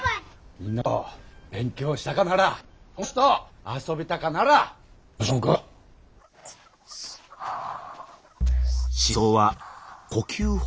みんなと勉強したかなら友達と遊びたかなら走らんか。